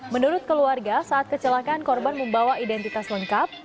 menurut keluarga saat kecelakaan korban membawa identitas lengkap